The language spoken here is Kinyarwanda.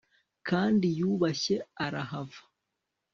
Kandi yubashye arahava